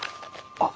あっ。